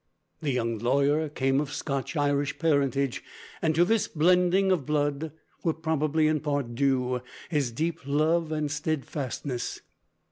The young lawyer came of Scotch Irish parentage, and to this blending of blood were probably in part due his deep love and steadfastness.